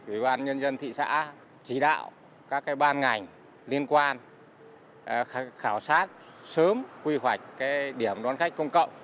ủy ban nhân dân thị xã chỉ đạo các ban ngành liên quan khảo sát sớm quy hoạch điểm đón khách công cộng